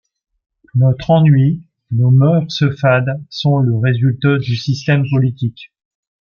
Notre ennui, nos mœurs fades sont le résultat du système politique.